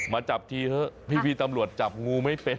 มาจับทีเถอะพี่ตำรวจจับงูไม่เป็น